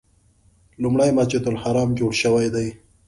لومړی مسجد الحرام جوړ شوی دی.